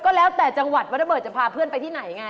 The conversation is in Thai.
ก็แล้วแต่จังหวัดว่าระเบิดจะพาเพื่อนไปที่ไหนไง